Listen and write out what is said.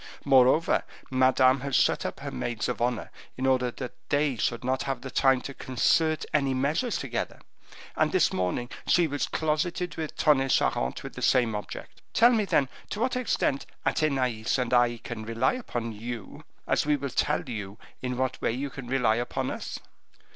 Moreover, Madame has shut up her maids of honor in order that they should not have the time to concert any measures together, and this morning she was closeted with Tonnay Charente with the same object. Tell me, then, to what extent Athenais and I can rely upon you, as we will tell you in what way you can rely upon us?"